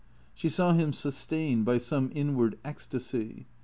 She saw him sustained by some inward ecstasy.